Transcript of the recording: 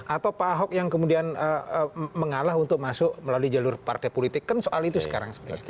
atau pak ahok yang kemudian mengalah untuk masuk melalui jalur partai politik kan soal itu sekarang